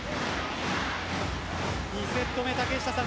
２セット目、竹下さん